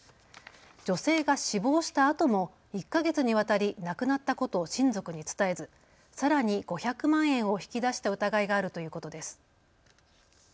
女性が死亡したあとも１か月にわたり亡くなったことを親族に伝えず、さらに５００万円を引き出した疑いがあるということです。